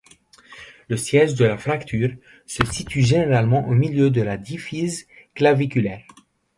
Le siège de la fracture se situe généralement au milieu de la diaphyse claviculaire.